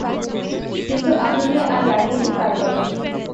কিন্তু আধিনি আর রাগিনী পার পাবে না।